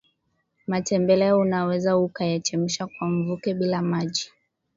matembele unaweza ukayachemsha kwa mvuke bila maji